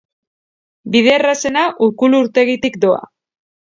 Bide errazena, Urkulu urtegitik doa.